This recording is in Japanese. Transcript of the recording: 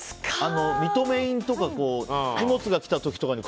認め印とか荷物が来た時とかに。